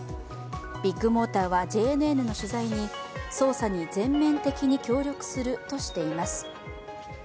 ビッグモーターはＪＮＮの取材に捜査に全面的に協力するとしています。